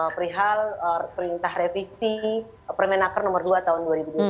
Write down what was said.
perihal perintah revisi permenaker nomor dua tahun dua ribu dua puluh